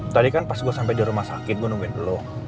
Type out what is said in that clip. tadi kan pas gue sampai di rumah sakit gue nungguin dulu